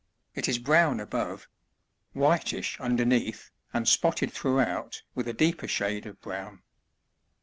It is brown above ; whitish underneath, and spotted throughout, with a deeper shade of brown.